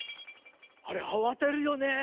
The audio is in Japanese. あれあわてるよね。